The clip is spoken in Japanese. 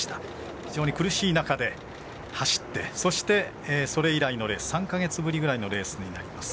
非常に苦しい中で走ってそして、それ以来の３か月ぶりくらいのレースになります。